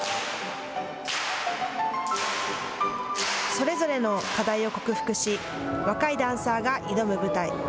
それぞれの課題を克服し若いダンサーが挑む舞台。